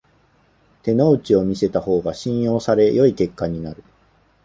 手の内を見せた方が信用され良い結果になる